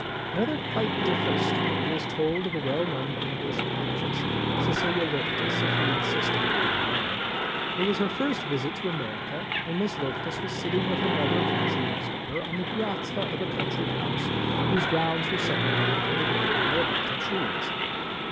Another quite different story is told of a well known English actress—Cecilia Loftus, if you insist on knowing her name. It was her first visit to America and Miss Loftus was sitting with another Casual Observer on the piazza of a country house whose grounds were separated from the road by a belt of trees.